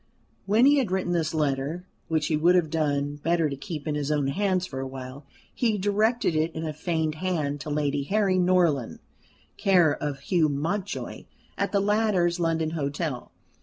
When he had written this letter, which he would have done better to keep in his own hands for awhile, he directed it in a feigned hand to Lady Harry Norland, care of Hugh Mountjoy, at the latter's London hotel.